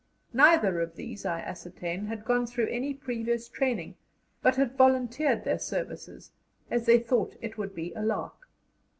Neither of these, I ascertained, had gone through any previous training, but had volunteered their services, as they thought it "would be a lark."